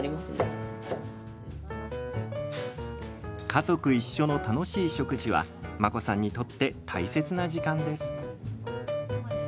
家族一緒の楽しい食事は真心さんにとって大切な時間です。